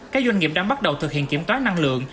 các doanh nghiệp đang bắt đầu thực hiện kiểm toán năng lượng